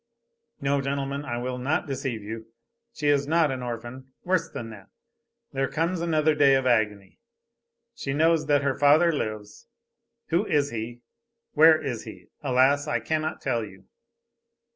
No, gentlemen, I will not deceive you, she is not an orphan. Worse than that. There comes another day of agony. She knows that her father lives. Who is he, where is he? Alas, I cannot tell you.